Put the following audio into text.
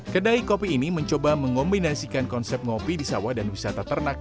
kedai kopi ini mencoba mengombinasikan konsep kopi di sawah dan wisata ternak